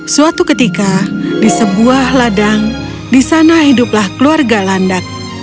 suatu ketika di sebuah ladang disana hiduplah keluarga landak